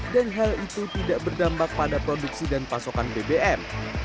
dan hal itu tidak berdampak pada produksi dan pasokan bbm